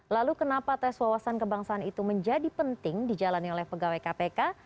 lalu kenapa tes wawasan kebangsaan itu menjadi penting dijalani oleh pegawai kpk